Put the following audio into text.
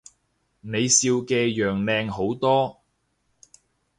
你笑嘅樣靚好多